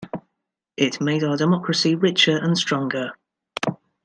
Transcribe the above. It made our democracy richer and stronger.